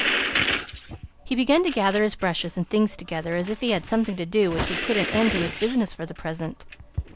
He began to gather his brushes and things together, as if he had something to do which would put an end to his business for the present.